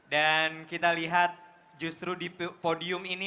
dan kita lihat justru di podium ini